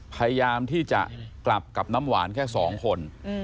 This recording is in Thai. พยายามที่จะกลับกับน้ำหวานแค่๒คน